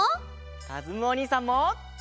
かずむおにいさんも！